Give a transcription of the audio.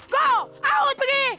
go out pergi